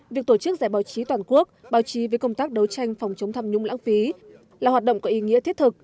việc tổ chức giải báo chí toàn quốc báo chí với công tác đấu tranh phòng chống tham nhũng lãng phí là hoạt động có ý nghĩa thiết thực